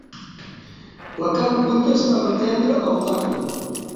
La carn cuita estava tendre al tacte.